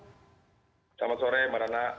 selamat sore marana